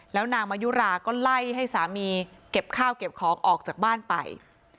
แล้วนางมายุราก็ไล่ให้สามีเก็บข้าวเก็บของออกจากบ้านไป